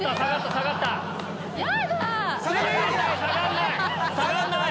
下がらない！